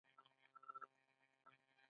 د انسان د بدن په اړه مطالعه پیل شوه.